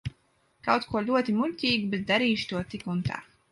Kaut ko ļoti muļķīgu, bet darīšu to tik un tā.